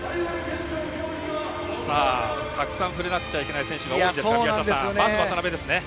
たくさん触れなくちゃいけない選手が多いですが宮下さん、まず渡辺ですね。